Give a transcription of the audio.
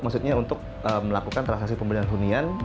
maksudnya untuk melakukan transaksi pembelian hunian